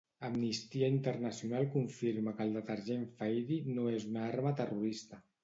Amnistia Internacional confirma que el detergent Fairy no és una arma terrorista.